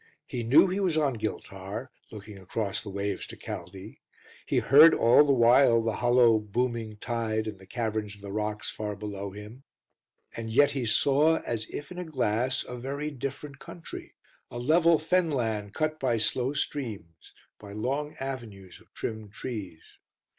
He knew he was on Giltar, looking across the waves to Caldy; he heard all the while the hollow, booming tide in the caverns of the rocks far below him, And yet he saw, as if in a glass, a very different country a level fenland cut by slow streams, by long avenues of trimmed trees.